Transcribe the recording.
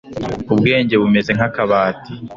Ubwenge bumeze nkakabati